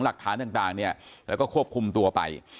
แล้วก็หกหุ้งหลักฐานต่างเนี่ยแล้วก็ควบคุมตัวไป